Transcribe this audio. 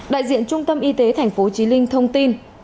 đại diện trung tâm y tế tp hcm thông tin